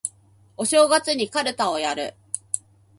お正月にかるたをやる